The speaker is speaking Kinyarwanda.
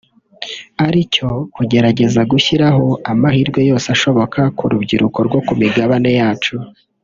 ari cyo kugerageza gushyiraho amahirwe yose ashoboka ku rubyiruko rwo ku migabane yacu